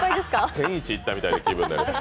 天一行ったみたいな気分になります。